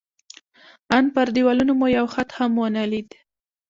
ان پر دېوالونو مو یو خط هم ونه لید.